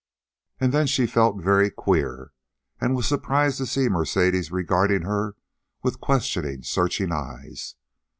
And then she felt very queer, and was surprised to see Mercedes regarding her with questioning, searching eyes.